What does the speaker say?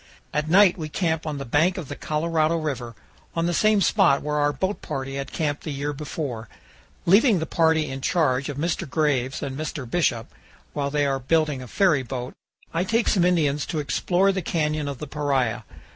At night we camp on the bank of the Colorado River, on the same spot where our boat party had camped the year before. Leaving the party in charge of Mr. Graves and Mr. Bishop, while they are building a ferryboat, I take some Indians to explore the canyon of the Paria.